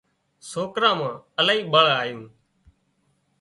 سوڪران مان الاهي ٻۯ آيون